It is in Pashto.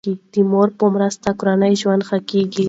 د مور په مرسته کورنی ژوند ښه کیږي.